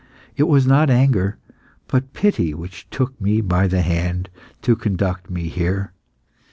It was not anger, but pity, which took me by the hand to conduct me here.